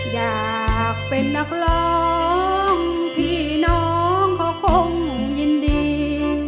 อยากเป็นนักร้องพี่น้องเขาคงยินดี